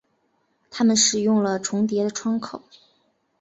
他们使用了重叠的窗口。